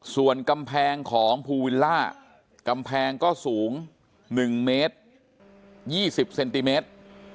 ส่วนกำแพงของภูวิลล่ากำแพงก็สูง๑เมตร๒๐เซนติเมตร